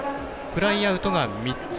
フライアウトが３つ。